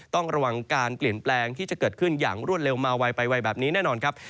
ต้องระวังการเปลี่ยนแปลงที่จะเกิดขึ้นอย่างรวดเร็วมาไวไปไวแบบนี้แน่นอนครับ